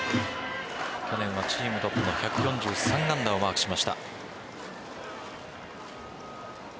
去年はチームトップの１４３安打をマークしました。